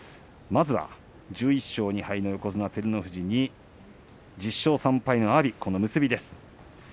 まずは１１勝２敗の横綱照ノ富士に１０勝３敗の阿炎の結びです。